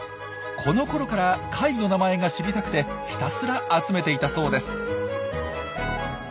このころから貝の名前が知りたくてひたすら集めていたそうです。